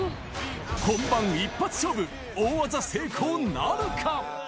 本番一発勝負、大技成功なるか。